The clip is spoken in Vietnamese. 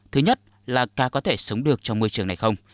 thứ nhất là cá có thể sống được trong môi trường này không